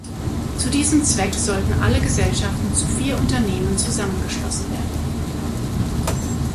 Zu diesem Zweck sollten alle Gesellschaften zu vier Unternehmen zusammengeschlossen werden.